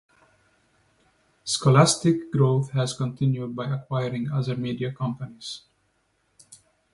Scholastic's growth has continued by acquiring other media companies.